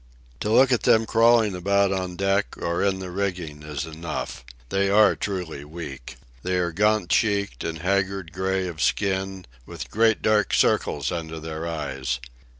To look at them crawling about on deck or in the rigging is enough. They are truly weak. They are gaunt cheeked and haggard gray of skin, with great dark circles under their eyes.